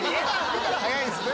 見たら早いですね